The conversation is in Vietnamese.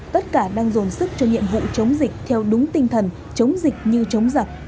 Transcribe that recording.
tất cả đang dồn sức cho nhiệm vụ chống dịch theo đúng tinh thần chống dịch như chống giặc